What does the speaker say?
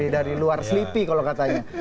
dari luar slipi kalau katanya